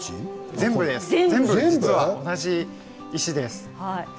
全部同じ石です。